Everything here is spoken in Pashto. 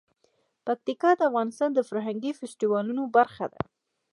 پکتیکا د افغانستان د فرهنګي فستیوالونو برخه ده.